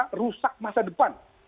mereka rusak masa depan